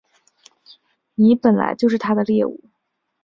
你本来就是他的猎物